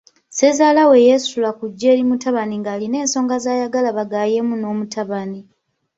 Ssezaalawe yeesitula kujja eri mutabani ng'alina ensonga zaayagala bagaayemu n'omutabani.